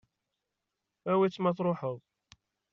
Awi-tt ma truḥeḍ.